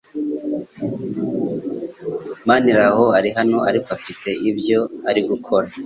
Maniraho ari hano ariko afite ibyo ari gukora .